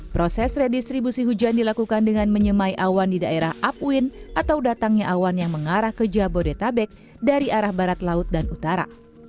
proses redistribusi hujan dilakukan dengan menyemai awan di daerah upwin atau datangnya awan yang mengarah ke jabodetabek dari arah barat laut dan utara